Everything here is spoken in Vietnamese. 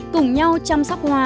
cùng nhau chăm sóc hoa